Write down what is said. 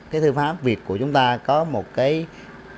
cái thư pháp việt của chúng ta có một lúc nào đó